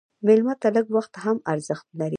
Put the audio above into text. مېلمه ته لږ وخت هم ارزښت لري.